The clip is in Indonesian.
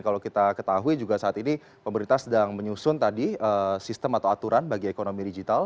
kalau kita ketahui juga saat ini pemerintah sedang menyusun tadi sistem atau aturan bagi ekonomi digital